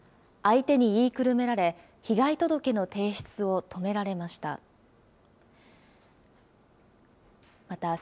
相手に言いくるめられ、被害届の提出を止められました。